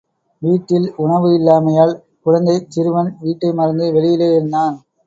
வீட்டில் உணவு இல்லாமையால் குழந்தைச் சிறுவன் வீட்டை மறந்து வெளியிலேயே இருந்தான்.